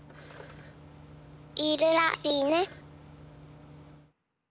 いるらしいね。